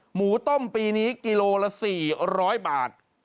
หมูต้มปีนี้กิโลละ๔๐๐บาท